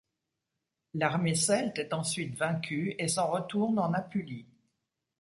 L'armée celte est ensuite vaincue et s'en retourne en Apulie.